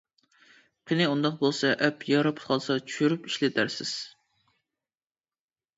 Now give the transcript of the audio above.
قېنى ئۇنداق بولسا ئەپ ياراپ قالسا چۈشۈرۈپ ئىشلىتەرسىز.